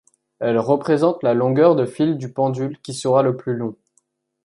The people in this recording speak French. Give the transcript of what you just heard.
Elle représente la longueur de fil du pendule qui sera le plus long.